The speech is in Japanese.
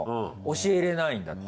教えられないんだって。